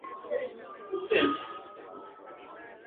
Uwekezaji katika uchumi wa buluu una mazingatio maalum